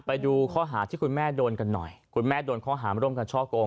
ไปดูข้อหาที่คุณแม่โดนกันหน่อยคุณแม่โดนข้อหาร่วมกันช่อกง